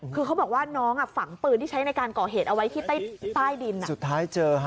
คือเขาบอกว่าน้องฝังปืนที่ใช้ในการก่อเหตุเอาไว้ที่ใต้ดินสุดท้ายเจอ